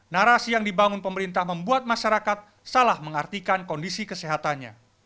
narasi yang dibangun pemerintah membuat masyarakat salah mengartikan kondisi kesehatannya